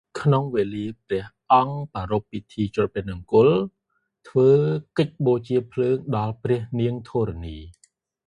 ក្នុងវេលាព្រះអង្គប្រារព្វពិធីច្រត់ព្រះនង្គ័ល ធ្វើកិច្ចបូជាភ្លើងដល់ព្រះនាងធរណី។